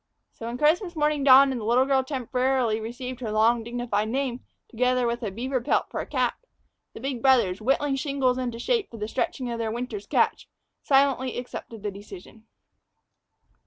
So when Christmas morning dawned and the little girl temporarily received her long, dignified name, together with a beaver pelt for a cap, the big brothers, whittling shingles into shape for the stretching of their winter's catch, silently accepted the decision.